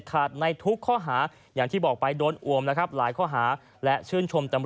ฟ้าสว่างจนฟ้ามืด